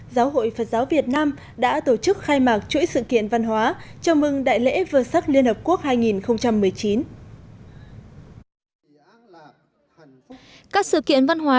giáo hội phật giáo việt nam đã tổ chức khai mạc chuỗi sự kiện văn hóa